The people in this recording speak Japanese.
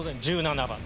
１７番。